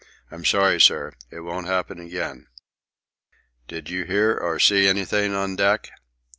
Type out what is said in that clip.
I'm sorry, sir. It won't happen again." "Did you hear or see anything on deck?"